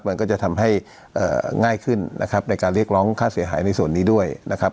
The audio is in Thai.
มันก็จะทำให้ง่ายขึ้นนะครับในการเรียกร้องค่าเสียหายในส่วนนี้ด้วยนะครับ